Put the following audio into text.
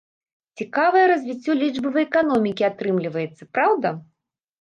Цікавае развіццё лічбавай эканомікі атрымліваецца, праўда?